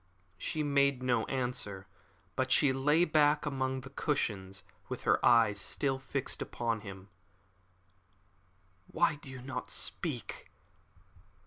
She made no answer, but lay back among her cushions with her eyes still fixed upon him. "Why do you not speak?"